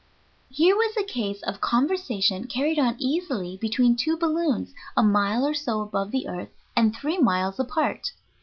Here was a case of conversation carried on easily between two balloons a mile or so above the earth and three miles apart.